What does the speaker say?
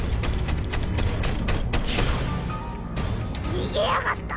逃げやがった。